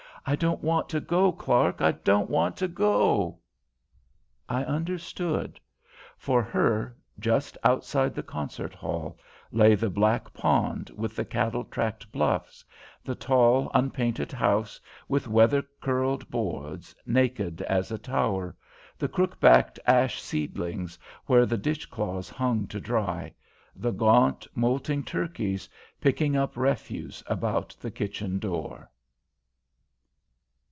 "I don't want to go, Clark, I don't want to go!" I understood. For her, just outside the concert hall, lay the black pond with the cattle tracked bluffs; the tall, unpainted house, with weather curled boards, naked as a tower; the crook backed ash seedlings where the dish cloths hung to dry; the gaunt, moulting turkeys picking up refuse about the kitchen door.